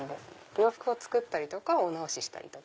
洋服を作ったりとかお直ししたりとか。